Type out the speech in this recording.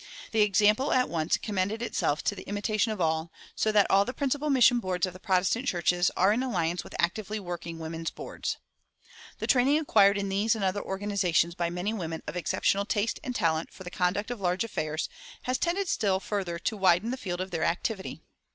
The example at once commended itself to the imitation of all, so that all the principal mission boards of the Protestant churches are in alliance with actively working women's boards. The training acquired in these and other organizations by many women of exceptional taste and talent for the conduct of large affairs has tended still further to widen the field of their activity.